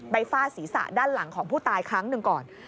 ฟาดศีรษะด้านหลังของผู้ตายครั้งหนึ่งก่อน